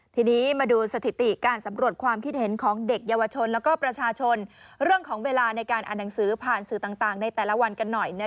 ทีนี้มาดูสถิติการสำรวจความคิดเห็นของเด็กเยาวชนและประชาชนเรื่องของเวลาในการอ่านหนังสือผ่านสื่อต่างในแต่ละวันกันหน่อย